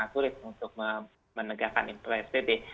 sulit untuk menegakkan psbb